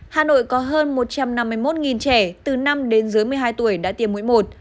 hà nội có hơn một trăm năm mươi một trẻ từ năm đến dưới một mươi hai tuổi đã tiêm mũi một